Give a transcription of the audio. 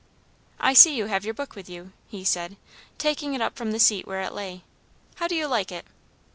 "I see you have your book with you," he said, taking it up from the seat where it lay. "How do you like it?"